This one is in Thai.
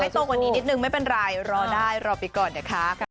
ให้โตกว่านี้นิดหนึ่งไม่เป็นไรรอได้รอไปก่อนเดี๋ยวค่ะ